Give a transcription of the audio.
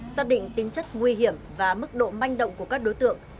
xác định tính chất nguy hiểm và mức độ manh động của các đối tượng